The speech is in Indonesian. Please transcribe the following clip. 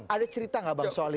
ada cerita nggak bang soal itu